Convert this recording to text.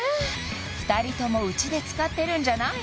２人ともうちで使ってるんじゃないの？